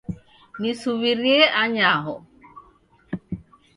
Nisuw'irie anyaho